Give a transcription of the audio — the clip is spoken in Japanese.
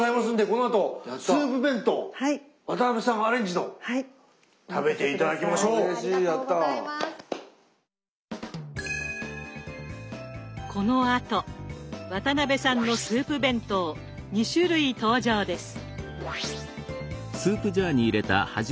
このあと渡辺さんのスープ弁当２種類登場です。